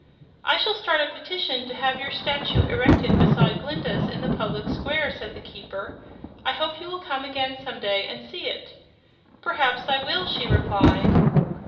"I shall start a petition to have your statue erected beside Glinda's in the public square," said the Keeper. "I hope you will come again, some day, and see it." "Perhaps I shall," she replied.